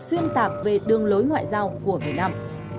xuyên tạc về đường lối ngoại giao của việt nam